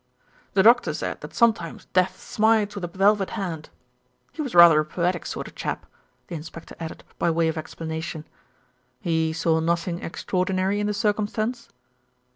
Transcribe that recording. "The doctor said that sometimes 'death smites with a velvet hand.' He was rather a poetic sort of chap," the inspector added by way of explanation. "He saw nothing extraordinary in the circumstance?"